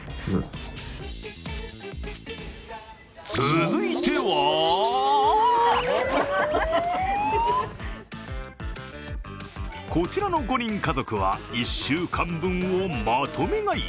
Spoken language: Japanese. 続いてはこちらの５人家族は１週間分をまとめ買い。